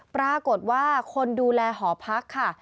ปรากฏว่าคนดูแลหอพักค่ะ